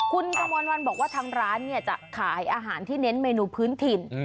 คุณกระมวลวันบอกว่าทางร้านจะขายอาหารที่เน้นเมนูพื้นถิ่น